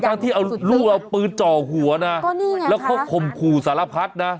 ทั้งที่ลูกเอาปืนเจาะหัวแล้วเขาคมคู่สารพัฒน์